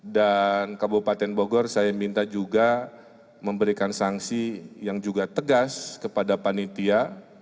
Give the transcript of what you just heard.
dan kabupaten bogor saya minta juga memberikan sanksi yang juga tegas kepada panitia